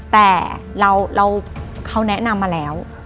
แต่เขาแนะนำมาแล้ว